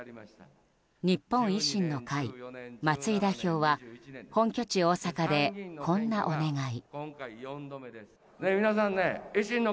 日本維新の会、松井代表は本拠地・大阪でこんなお願い。